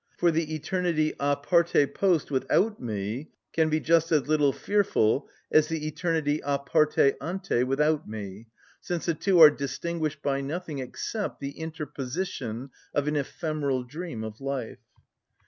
For the eternity a parte post without me can be just as little fearful as the eternity a parte ante without me, since the two are distinguished by nothing except by the interposition of an ephemeral dream of life.